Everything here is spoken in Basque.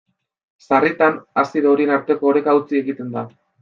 Sarritan, azido horien arteko oreka hautsi egiten da.